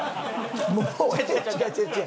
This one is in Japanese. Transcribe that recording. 違う違う違う！